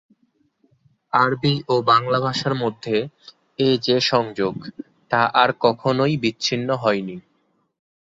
আরবি ও বাংলা ভাষার মধ্যে এ যে সংযোগ, তা আর কখনওই বিচ্ছিন্ন হয়নি।